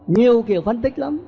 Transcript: nhiều kiểu phân tích lắm